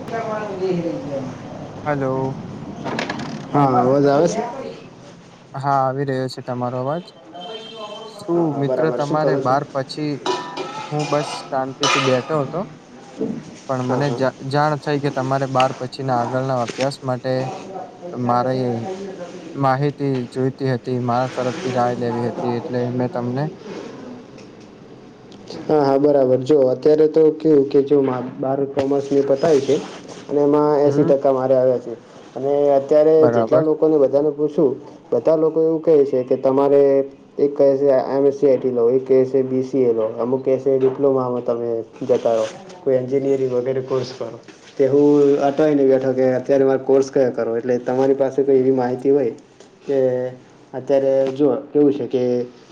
[inaudible] હાલો. હા અવાજ આવે છે? હા આવી રહ્યો છે તમારો અવાજ શું હા હા મિત્ર બરાબર શું તમારે કરો છો બાર પ પછી હું બસ શાંતિ થી બેઠો હતો પણ હા મને હા જાણ થઈ કે તમારે બાર પછી ના આગળના અભ્યાસ માટે મારે માહિત તે જોઈતી હતી મારા તરફથી રાય લેવી હતી એટલે મેં તમને હા હા બરાબર જો અત્યારે તો કેવું કે જો માં બાર કોમર્સની પતાવી છે અને એમાં એસી હમ ટકા મારે આવ્યા છે અને અત્યારે જેટલા બરાબર લોકોને બધાને પૂછું બધા લોકો એવું કહે છે કે તમારે એક કહેશે એમએસસીઆઈટી લો એક કહેસે બીસીએ લો અમુક કહેશે ડિપ્લોમામાં તમે જતા રહો કોઈ એન્જિનિયરિંગ વગેરે કોર્સ કરો તે હું અટાવવીને બેઠો કે અત્યારે મારે કોર્સ કયા કરવા એટલે તમારી પાસે કોઈ એવી માહિતી હોય કે અત્યારે જો કેવું છે કે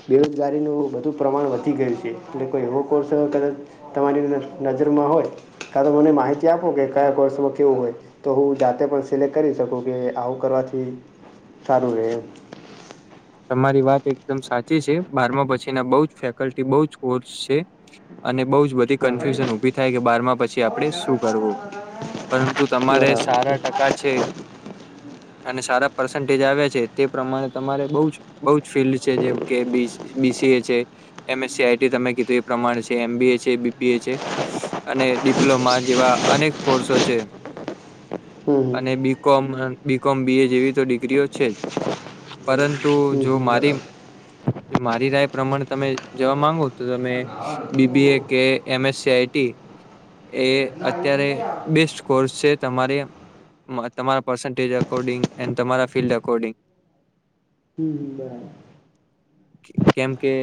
બેરોજગારીનું બધું પ્રમાણ વધી ગયું છે એટલે કોઈ એવો કોર્સ કદાચ તમારીં અંડર નજરમાં હોય કા તો મને માહિતી આપો કે કયા કો વર્ષોમાં કેવું હોય તો હું જાતે પણ સિલેક્ટ કરી શકું કે આવું કરવાથી સારું રહે એમ તમારી વાત એકદમ સાચી છે બારમા પછી ના બો જ ફેકલ્ટી બો જ કોર્સ છે અને બઉ જ બધી હા બરાબર કન્ફ્યુઝન ઉભી થાય કે બારમાં પછી આપડે શું કરવું પરંતુ તમારે સારા ટકા છે અને સારા પર્સન્ટેજ આવ્યા છે તે પ્રમાણે તમારે બોઉ જ બોઉ જ ફિલ્ડ છે જેમ કે બી બીસીએ છે એમસસી આઈટી તમે કીધું એ પ્રમાણે છે એમબીએ છે બીબીએ છે અને ડિપ્લોમા જેવા અનેક કોર્સો છે હમ અને બીકોમ બીકોમ બી એ જેવી તો ડિગ્રીઓ છે જ પરં તો હમ હમ જો હમ મારી બરાબર મારી રાય પ્રમાણે તમે જવા માંગો તો તમે બીબીએ કે એમએસસીઆઈટી એ અત્યારે બેસ્ટ કોર્સ છે તમારે તમારા પર્સન્ટેજ અકોર્ડિંગ એણ તમારા ફિલ્ડ અકોર્ડિંગ હમ બરાબર કેમ કે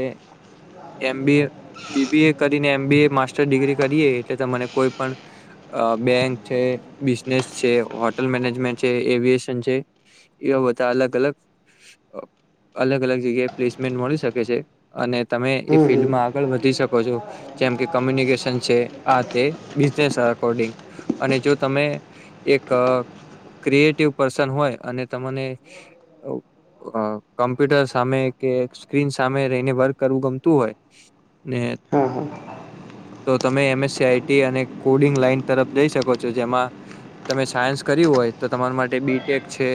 એમીબીએ બીબીએ કરીને એમબી એ માસ્ટર ડિગ્રી કરીએ એટલે તને કોઈ પણ બેંક છે બિઝનેસ છે હોટેલ મેનેજમેન્ટ છે એવિએશન છે એવા બધા અલગ અલગ અલગ અલગ જગ્યાએ પ્લેસમેન્ટ મળી શકે છે અને તમે એ હમ હમ ફિલ્ડમાં આગળ વધી શકો છો જેમ કે કોમ્યુનિકેશન છે આ તે બીઝિનેસ્સ અકોડિંગ અને જો તમે એક ક્રિએટિવ પર્સન હોય અને તમને કોમ્પ્યુટર સામે કે સ્ક્રીન સામે રહીને વર્ક કરવું ગમતું હોય ને હા હા તો તમે એમએસ સઆઈટી અને કોડિંગ લાઈન તરફ જઈ શકો છો જેમાં તમે સાયન્સ કર્યું હોય તો તમારા માટે બી. ટેક. છે.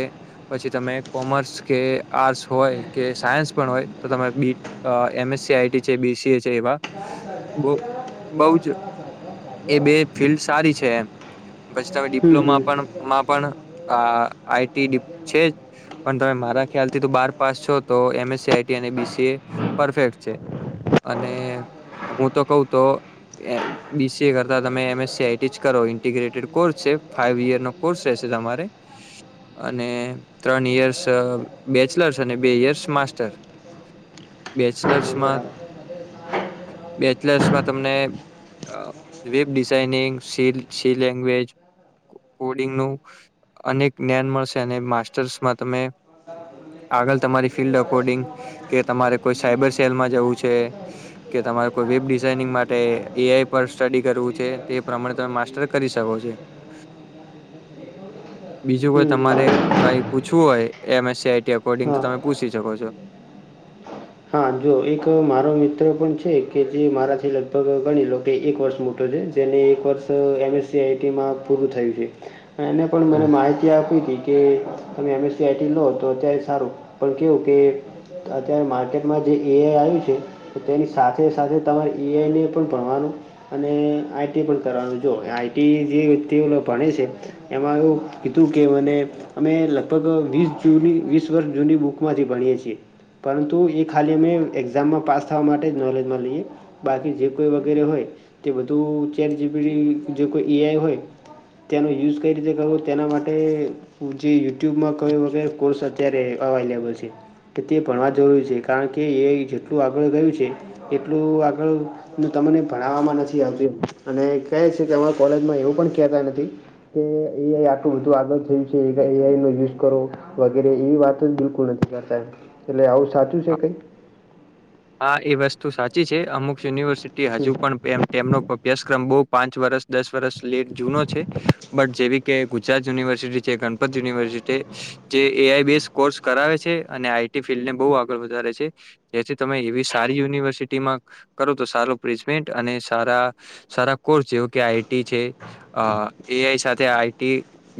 પછી તમે કોમર્સ કે આર્ટસ હોય કે સાયન્સ પણ હોય તો તમે બી- અ એમએસસી આઈટી છે બીસીએ છે એવા બહું બહું જ એ બે ફિલ્ડ સારી છે એમ પછી તમે હમ હમ ડિપ્લોમા પણ માં પણ આ આઈટી ડીપ છે જ. પણ તમે મારા ખ્યાલ થી ત બાર પાસ છો તો એમએસસી આઈટી અને બીસીએ પરફેક્ટ છે અને હું તો કઉ તો એ બીસીએ કરતા તમે એમએસસીઆઈટી જ કરો ઇન્ટીગ્રેટેડ કોર્સ છે ફાઈવ યર કોર્સ રહેશે તમારે અને ત્રણ યયર્સ બેચલર્સ અને બે ઈયર્સ માસ્ટર બ બરાબર બેચલર્સ માં તમને અ વેબ ડિઝાઈનિંગ સીલ સી લેંગ્વેજ કો કોડિંગ નું અનેક જ્ઞાન મળશે અને માસ્ટર્સમાં તમે આગલ તમારી ફિલ્ડ અકોર્ડિંગ કે તમારે કોઈ સાયબર સેલમાં જવું છે કે તમારે કોઈ વેબ ડિઝાઇનિંગ માટે એઆઈ પર સ્ટડી કરવું છે તે પ્રમાણે તમ માસ્ટર કરી શકો છો. બીજું હમ કોઈ તમારે હમ કઈ પૂછવું હોય M. S. C. IT according તો તમે હા, પૂછી શકો છો. હા. જો એક મારો મિત્ર પણ છે કે જે મારાથી લગભગ ગણી લો કે એક વર્ષ મો [unintelligible] જેને એક વર્ષ એમએસસી આઈટીમાં પૂરું થયું છે એને પણ હમ મને માહિતી આપી તી. કે તમે એમએસસી આઈટીમ લો તો અત્યારે સારું પણ કેવું કે અત્યારે માર્કેટમાં જ જે એઆઈ આવ્યું છે તો તેની સાથે સાથે તમારે એઆઈ ને પણ ભણવાનું અને આઈટી પણ કરવાનું જો આઈટી જે વ્યક્તિઓ ભણે છે એમાં એવું કીધું કે મને અમે લગભગ વીસ જૂની વીસ વર્ષ જૂની બુક માંથી ભણીએ છીએ પરંતુ એક ખાલી અમે એક્ઝામમાં પાસ થવા માટે જ નોલેજમાં લઈએ. બાકી જે કોઈ વગેરે હોય તે બધું ચેટ જીપીડી જે કોઈ એઆઈ હોય તેનો યુઝ કઈ રીતે કરવો તેના માટે જે યુટ્યુબમાં કયો વગ કોર્સ અત્યારે અવાલેબલ છે કે તે ભણવા જરૂરી છે. કારણ કે એ જેટલું આગળ ગયું છે એટલું આગળ ને તમને ભણાવવામાં નથી આવતી અને કહે છે કે અ કોલેજમાં એવું પણ કેતા નથી કે એઆઈ આટલું બધું આગળ થયું છે એ એઆઈનો યુઝ કરો. વગેરે એવી વાતો જ બિલકુલ નથી કરતા એ એટલે આવું સાચું છે કઈ? હા એ વસ્તુ સાચી છે અમુક યુનિવર્સિટી હજુ હમ પણ એમ તેમનો અભ્યાસક્રમ બહુ પાંચ વર્ષ દસ વર્ષ લેટ જૂનો છે. બટ જેવી કે ગુજરાત યુનિવર્સિટી છે ગણપત યુનિવર્સિટી જે એ આઈ બેસ કોર્સ કરાવે છે અને આઈટી ફિલ્ડ ને બહુ આગળ વધારે છે. જેથી તમે એવી સારી યુનિવર્સિટીમાં કરો તો સારો પ્લેસમેન્ટ અને સારા સારા કોર્સ જેવું કે આઈટી છે અ એઆઈ સાથે આઈટી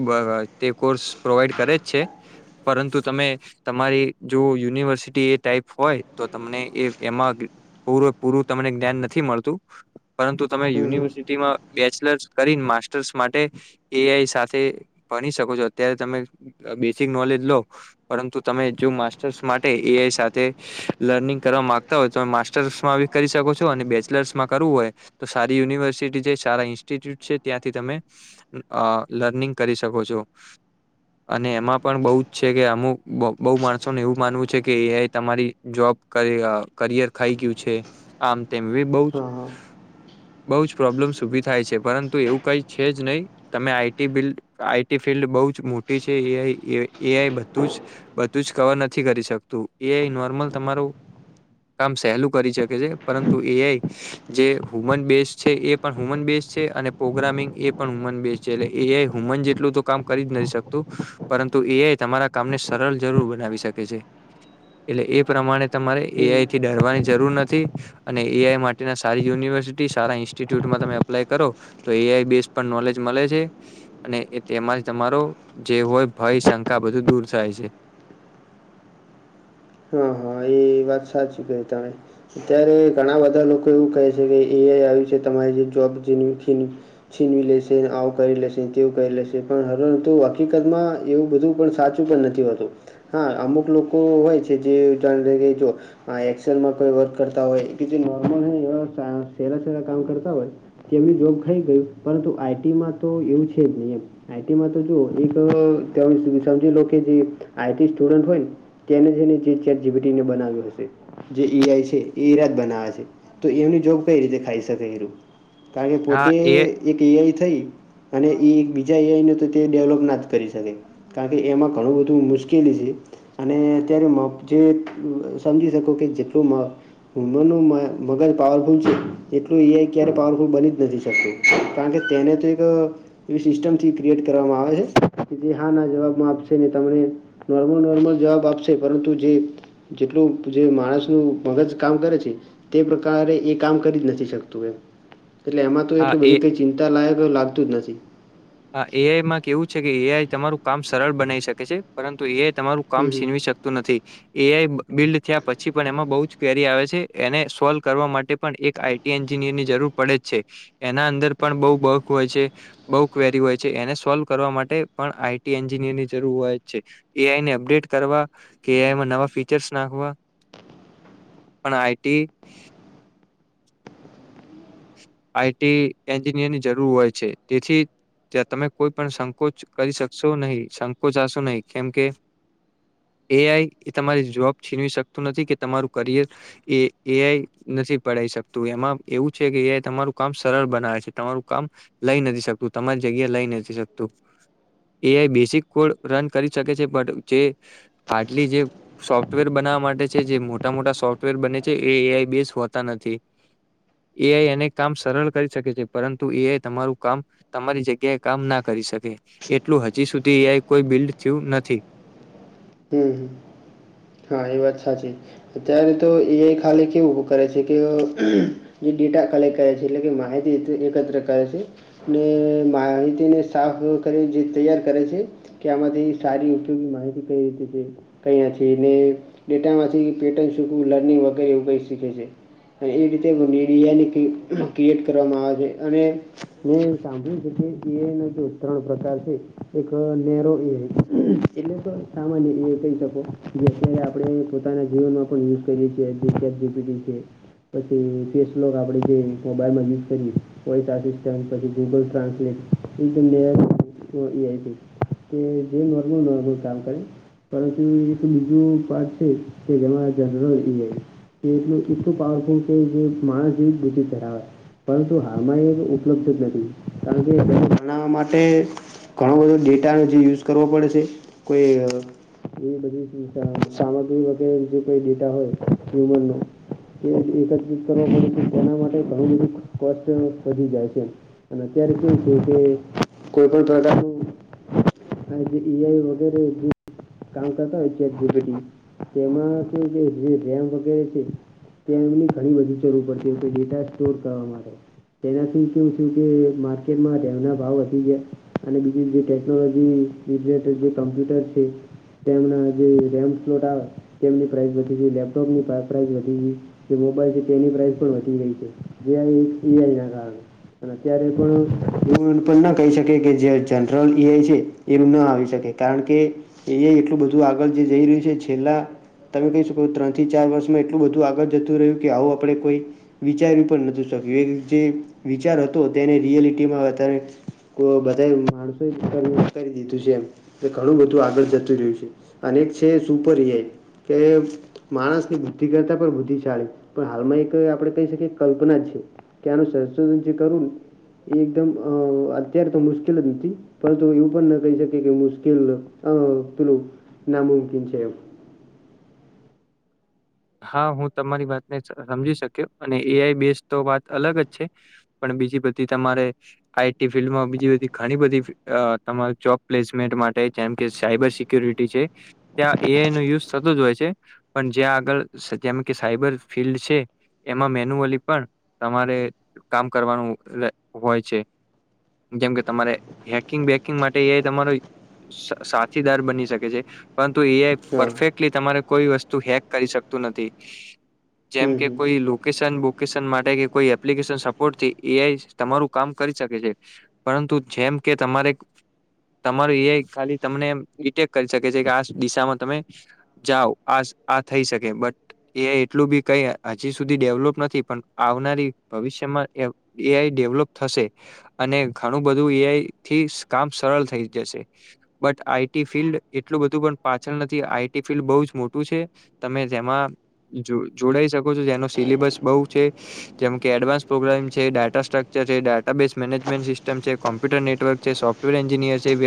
બરાવ તે કોર્સ પ્રોવાઈડ કરે જ છે. પરંતુ તમે તમારી જો યુનિવર્સિ તે ટાઈપ હોય તો તમને એ એમાં ગ પૂરેપૂરું તમને જ્ઞાન નથી મળતું. પરંતુ તમે હમ હમ યુનિવર્સિટીમાં બેચલર્સ કરીન માસ્ટર્સ માટે એઆઈ સાથે ભની શકો છો અત્યારે તમે બેસિક નોલેજ લો પરંતુ તમે જો માસ્ટર્સ માટે એઆઈ સાથે લર્નિંગ કરવા માગતા હોય તમે માસ્ટર્સ માં બી કરી શકો છો અને બેચલર્સ માં કરવું હોય તો સારી યુનિવર્સિટી છે સારા ઇન્સ્ટિટ્યુટ છે ત્યાંથી તમે અ લર્નિંગ કરી શકો છો. અને એમાં પણ બઉ જ છે કે અમુક બહુ બહુ માણસોને એવું માનવું છે કે એઆઈ તમારી જોબ કરીઅ કરિયર ખાઈ ગ્યું છે. આમ તેમ વી બઉ જ હા હા બહુ જ પ્રોબ્લેમસ ઉભી થાય છે પરંતુ એવું કઈ છે જ નહી. તમે આઈટી બિલ્ડ આઈટી ફિલ્ડ બહુ જ મોટી છે એઆઈ એઆઈ બધું જ. બધું જ કવર નથી કરી શકતું એ નોર્મલ તમારું કામ સહેલું કરી શકે છે પરંતુ એઆઈ જે હુમન બેઝ છે એ પણ હુમન બેઝ છે અને પ્રોગ્રામિંગ એ પણ હુમન બેઝ છે એટલે એ હુમન જેટલું તો કામ કરી જ નથી શકતું પરંતુ એ તમારા કામને સરલ જરૂર બનાવી શકે છે. એટલે એ પ્રમાણે તમારે હમ એઆઈ થી ડરવાની જરૂર નથી. અને એ આઈ માટેના સારી યુનિવર્સિટી સારા ઇન્સ્ટિટ્યુટમાં તમે અપ્લાય કરો તો એઆઈ બેસ પણ નોલેજ મળે છે. અને એ તેમાં જ તમારો જે હોય ભય શંકા બધું દૂર થાય છે. હા હા એ એ વાત સાચી કરી તમે. અત્યારે ઘણા બધા લોકો એવું કહે છે કે એ આઇ આવ્યું છે તમારી જે જોબ [unintelligible] છીનવી લેશે ને આવું કરી લેશે ને તેવું કરી લેશે પણ હવે તો હકીકતમાં એવું બધું પણ સાચું નથી હોતું, હા અમુક લોકો હોય છે જે [unintelligible] આ એક્સેલમાં કોઈ વર્ક કરતા હોય [unintelligible] નોર્મલની [unintelligible] સહેલાં-સહેલાં કામ કરતા હોય તેમની જોબ ખાઈ ગયું, પરંતુ આઈ ટીમાં તો એવું છે જ નહીં એમ. આઈ ટીમાં તો જોવો એક તમે [unintelligible] સમજી લો કે જે આઈ ટી સ્ટુડન્ટ હોય તેને જેને ચેટ જી પી ટી ને એવું બનાવ્યું. [unintelligible] જે ઈ આઈ છે એ ઈરાદ બનાવે છે, તો એમની જોબ કંઈ રીતે ખાઈ શકે [unintelligible] કારણ કે હા પોતે એ એક એ આઈ થઈ અને ઈ એક બીજા એ આઈને તો તે ડેવલોપ ના જ કરી શકે. કારણ કે એમાં ઘણું બધું મુશ્કેલી છે. અને અત્યારે મપ જે સમજી શકો કે જેટલું મા વુમનનું મ મગજ પાવરફુલ છે, એટલું એ આઈ ક્યારેય પાવરફુલ બની જ નથી શકતું. કારણ કે તેને તો એક એવી સિસ્ટમથી ક્રિએટ કરવામાં આવે છે, કે જે હા ના જવાબમાં આપશે ને તમે નોર્મલ-નોર્મલ જવાબ આપશે, પરંતુ જે ટલું જે માણસ નું મગજ કામ કરે છે તે પ્રકારે એ કામ કરી જ નથી શકતું એમ. એટલે એમાં તો હા એટલું એ બધી કંઈ ચિંતાલાાયક લાગતું જ નથી. હા. એ આઈમાં કેવું છે કે એ આઈ તમારું કામ સરળ બનાવી શકે છે, પરંતુ એ આઈ તમારું કામ હમ હમ છીનવી શક કતું નથી. એ આઈ બિલ્ડ થયા પછી પણ એમાં બહું જ ક્વેરી આવે છે, એને સોલ્વ કરવા માટે પણ એક આઈ ટી એન્જિનિયરની જરૂર પડે જ છે. એના અંદર પણ બહું બગ હોય છે, બહું કવેરી હોય છે. એને સોલ્વ કરવા માટે પણ આઈ ટી એન્જિનિયરની જરૂર હોય જ છે. એ આઈ ને અપડેટ કરવા કે એ આઈમાં નવા ફીચર્સ નાખવા પણ આઈ ટી આઈ ટી એન્જિનિયરની જરૂર હોય છે. તેથી ત્યાં તમે કોઈ પણ સંકોચ કરી શકશો નહીં. સંકોચ આશો નહીં, કેમ કે એ આઈ એ તમારી જોબ છીનવી શકતું નથી કે તમારું કરિયર એ એ આઈ નથી પડાઈ શકતું. એમાં એવું છે કે [unintelligible] તમારું કામ સરળ બનાવે છે. તમારું કામ લઈ નથી શકતું, તમારી જગ્યા લઈ નથી શકતું. A I basic code run કરી શકે છે, પણ જે આટલી જે સોફ્ટવેર બનાવવા માટે છે જે મોટા-મોટા સોફ્ટવેર બને છે એ એ આઈ બેઝ હોતા નથી. એ આઈ એને કામ સરળ કરી શકે છે, પરંતુ એ આઈ તમારું કામ તમારી જગ્યાએ કામ ના કરી શકે. એટલું હજી સુધી એ આઈ કોઈ બિલ્ડ થયું નથી. હમ્મ-હમ્મ. હ, એ વાત સાચી અત્યારે તો એ ખાલી કેવું કરે છે કે. જે ડેટા કલેક્ટ કરે છે. એટલે કે માહિતી એકત્ર કરે છે. ને માહિતીને સાફ કરી જે તૈયાર કરે છે. કે આમાંથી સારી ઉપયોગી માહિતી કંઈ રીતે છે, કંઈ નથી એને ડેટામાંથી પેટર્ન શીખવું, લર્નિંગ વગેરે એવું બધું શીખે છે. અને ઈ રીતે [unintelligible] કિટ ક્રિએટ કરવામાં આવે છે, અને મેં સાંભળ્યું છે કે એ આઈ નો જો ત્રણ પ્રકાર છે. એક નેરો એ આઈ એટલે તો સામાન્ય એ આઈ કહી શકો. [unintelligible] આપણે પોતાના જીવનમાં પણ યુઝ કરીએ છીએ જી. પછી ફેસલોક આપે જે બાર માં યુઝ કરી. વોઇસ આસિસ્ટન્ટ પછી ગૂગલ ટ્રાન્સલેટ ઇ મે. કે જે નોર્મલ નોર્મલ કામ કરે પરંતુ એ તો બીજું. છે કે જરા જરા હોય એટલું એટલું પાવરફુલ કે જે માણસ જેવુ બ્રેઈન ધરાવે પરંતુ હાલમાં એ ઉપલબ્ધ જ નથી કારણ બનાવવા માટે ઘણો બધો ડેટાનો જે યુઝ કરવો પડે છે કોઈ એ બધી. સામગ્રીભ જે કો દેતા હોય હું ન. એકત્રિત કરવા પ તેના માટે ઘણું બધું કષ્ટ થ જાય છે. અને અત્યારે શું છે કે કોઈ પણ પ્રકારનું. આજ ઇઆઈ વગેરે એ જ કઉકાતા છે એ જીપીટી. તેમાં છે કે જે વમ વગેરે છે. તે એમની ઘણી બગીચરૂર પડ છે એમ કે ડેટા સ્ટોર કરવા માટે. તેનાથી કેવું છું કે માર્કેટમાં ડેમના ભાવ વધી ગયા. અને બીજું જે ટેકનોલોજી રિલેટેડ જે કમ્પ્યુટર છે. તેમના જે રેમ સ્લોટ આવે તેમની પ્રાસ વધી ગ લેપટોપની પ્રાઇસ વધી ગ. જે મોબાઈલ છે તેની પ્રાઇસ પણ વધી ગઈ છે એઆઈ ના કારણે અત્યારે પણ એવું પણ ના કહી શકી એ કે જે જનરલ એઆઈ છે એવું ન આવી શકે કારણ કે એ એટલું બધું આગળ જે જઈ રહ્યું છે છેલ્લા તમે કહી શકો ત્રણ થી ચાર વર્ષમાં એટલું બધું આગળ જતું રહ્યું કે આવું આપણે કોઈ વિચારવી પણ નથી શક્યું જે વિચાર હતો તેને રિયાલિટીમાં કો બધા માણસો કરી દીધું છે એ ઘણું બધું આગળ જતું રહ્યું છે અને એક છે સુપર એઆઈ કે માણસ ની બુદ્ધિ કરતા પણ બુદ્ધિ ચાલી પણ હાલમાં એક આપણે કહી શકીએ કલ્પના જ છે. કે અનુસાર જે કરું એ એકદમ અત્યારે તો મુશ્કેલ જ નથી. પરંતુ એવું પણ ન કહી શકે કે મુશ્કેલ પેલું નામુમકીન છે એમ હા હું તમારી વાતને સમજી શક્યો અને એઆઈ બેઝ તો વાત અલગ જ છે. પણ બીજી બધી તમારે આઈટી ફિલ્ડમાં બીજી બધી ઘણી બધી તમારી જોબ પ્લેસમેન્ટ માટે જેમ કે સાયબર શ ક્યુરિટી છે ત્યાં એનો યુઝ થતો જ હોય છે પણ જ્યાં આગળ સતમાં કે સાયબર ફિલ્ડ છે એમાં મેન્યુઅલી પણ તમારે કામ કરવાનું હોય છે. જેમ કે તમારે હેકિંગ બેકિંગ માટે એઆઈ તમારો સાથીદાર બની શકે છે પરંતુ એ હા પરફેક્ટલી તમારે કોઈ વસ્તુ હેક કરી શકતું નથી. જેમ હમ કે હમ કોઈ લોકેશન બુક માટે કે કોઈ એપ્લિકેશન સપોર્ટ થી એ તમારું કામ કરી શકે છે પરંતુ જેમ કે તમારે તમારું એઆઈ ખાલી તમને ડીટેક કરી શકે છે કે આ દિશામાં તમે જાઓ આ આ થઈ શકે બટ એ એટલું બી કઈ હજી સુધી ડેવલોપ નથી પણ આવનારી ભવિષ્યમાં એઆઈ ડેવલોપ થશે. અને ઘણું બધું એઆઈ થી કામ સરળ થઈ જશે. બટ આઈટી ફિલ્ડ એટલું બધું પણ પાછળ નથી આઈટી ફિલ્ડ બહુ જ મોટું છે. તમે જેમાં જોડાઈ શકો છો જેનો સિલેબસ બહુ છે. જેમકે એડવાન્સ પ્રોગ્રામ છે ડેટાસ્ટ્રક્ચર છે ડેટાબેસ મેનેજમેન્ટ સિસ્ટમ છે કોમ્પ્યુટર નેટવર્ક સોફ્ટ વેર એન્યરસેેબ